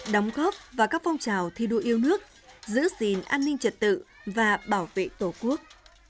đóng góp vào các phong trào thi đua yêu nước giữ gìn an ninh trật tự và bảo vệ tổ quốc